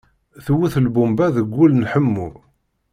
Tewwet lbumba deg wul n Ḥemmu.